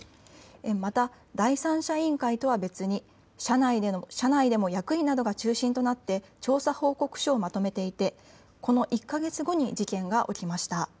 また第三者委員会とは別に社内でも役員などが中心となって調査報告書をまとめていてこの１か月後に事件は起きました。